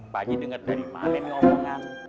pak haji denger dari mana ini omongan